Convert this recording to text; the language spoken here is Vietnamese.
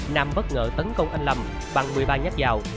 nam bất ngờ tấn công anh lâm bằng một mươi ba nhát dao